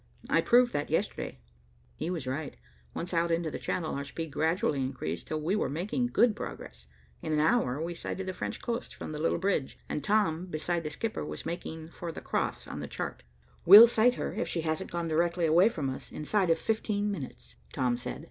I proved that yesterday." He was right. Once out into the Channel, our speed gradually increased, till we were making good progress. In an hour we sighted the French coast from the little bridge, and Tom, beside the skipper, was making for the cross on the chart. "We'll sight her, if she hasn't gone directly away from us, inside of fifteen minutes," Tom said.